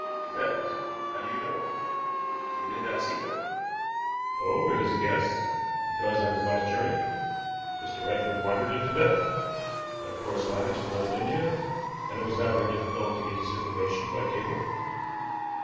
"Tibetans. How do you know? You did not see them?" "No, it is a guess; because on his last journey Mr. Ratcliffe wandered in Tibet. I have correspondents in Northern India, and it was not very difficult to get this information by cable.